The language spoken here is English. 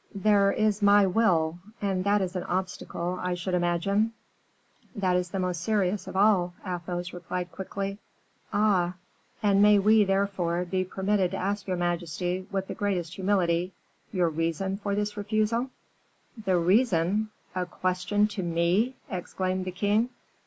"There is my will and that is an obstacle, I should imagine!" "That is the most serious of all," Athos replied quickly. "Ah!" "And may we, therefore, be permitted to ask your majesty, with the greatest humility, your reason for this refusal?" "The reason! A question to me!" exclaimed the king.